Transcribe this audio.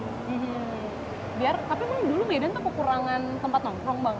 tapi memang dulu beda tuh kekurangan tempat nongkrong bang